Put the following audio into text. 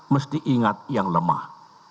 mesti ingat yang lemah